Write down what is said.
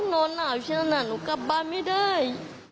หนาวหนาวฉันน่ะหนูกลับบ้านไม่ได้